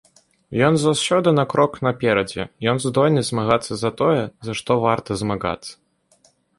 Ён заўсёды на крок наперадзе, ён здольны змагацца за тое, за што варта змагацца.